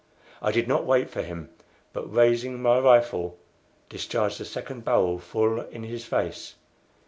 I did not wait for him, but raising my rifle, discharged the second barrel full in his face.